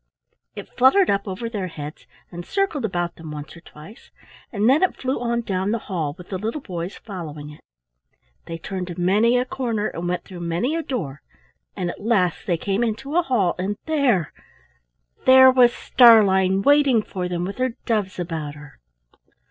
It fluttered up over their heads and circled about them once or twice, and then it flew on down the hall with the little boys following it. They turned many a corner and went through many a door, and at last they came into a hall and there —there was Starlein waiting for them with her doves about her.